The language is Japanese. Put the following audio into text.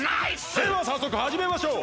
ではさっそくはじめましょう。